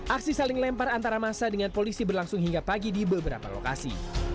aksi saling lempar antara masa dengan polisi berlangsung hingga pagi di beberapa lokasi